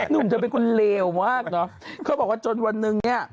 หนุ่มเธอเป็นคนเลวมากเนอะเขาบอกว่าจนวันหนึ่งเนี่ย